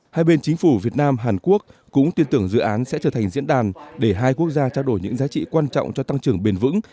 hai bên chính phủ việt nam hàn quốc cũng tin tưởng dự án sẽ trở thành diễn đàn để hai quốc gia trao đổi những giá trị quan trọng cho tăng trưởng bền vững